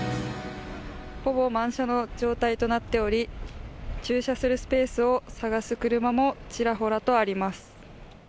ほぼ満車の状態となっており駐車するスペースを探す車もちらほらとあります。